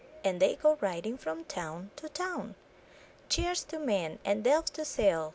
And they go riding from town to town. Chairs to mend, and delf to sell !